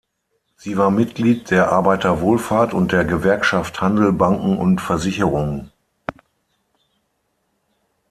Sie war Mitglied der Arbeiterwohlfahrt und der Gewerkschaft Handel, Banken und Versicherungen.